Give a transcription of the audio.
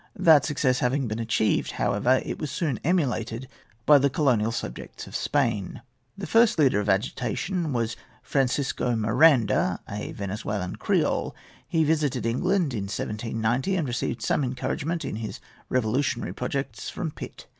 That success having been achieved, however, it was soon emulated by the colonial subjects of Spain. The first leader of agitation was Francisco Miranda, a Venezuelan Creole. He visited England in 1790, and received some encouragement in his revolutionary projects from Pitt.